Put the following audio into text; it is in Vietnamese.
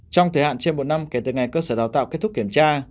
trong thời hạn trên một năm kể từ ngày cơ sở đào tạo kết thúc kiểm tra